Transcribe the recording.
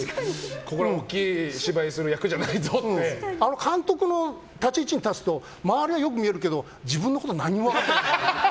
ここで大きい芝居する役じゃ監督の立ち位置に立つと周りはよく見えるけど自分のことは何も分かってないの。